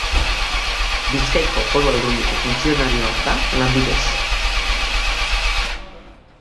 Bizkaiko Foru Aldundiko funtzionarioa da lanbidez.